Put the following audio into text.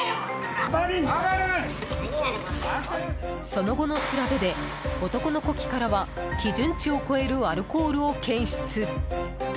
その後の調べで男の呼気からは基準値を超えるアルコールを検出。